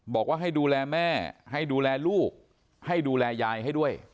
บอกว่าให้ดูแลแม่ให้ดูแลลูกให้ดูแลยายให้ด้วย